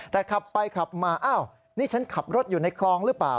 แต่ขับไปขับมาอ้าวนี่ฉันขับรถอยู่ในคลองหรือเปล่า